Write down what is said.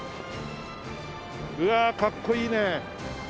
うわかっこいいね。